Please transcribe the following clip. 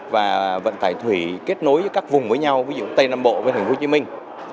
và vận tải thủy kết nối với các vùng với nhau ví dụ tây nam bộ với thành phố hồ chí minh